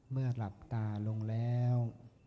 เมื่อหลับตาลงแล้ว